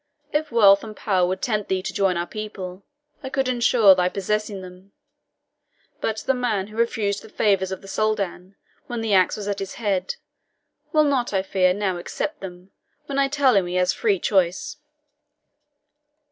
If wealth and power would tempt thee to join our people, I could ensure thy possessing them; but the man who refused the favours of the Soldan when the axe was at his head, will not, I fear, now accept them, when I tell him he has his free choice."